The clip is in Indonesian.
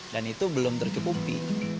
dan itu belum tercukupi